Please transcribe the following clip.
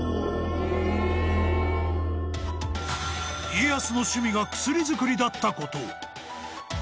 ［家康の趣味が薬作りだったこと］